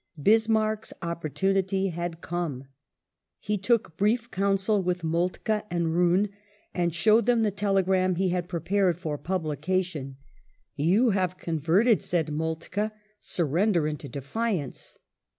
Bismarck's opportunity had come. He took brief counsel with The Moltke and Roon and showed them the telegram he had prepared *' f^^S^^ ' o jT IT telegram for publication. "You have converted," said Moltke, "surrender into defiance."